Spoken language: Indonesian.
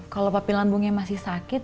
kalau papi lambungnya masih sakit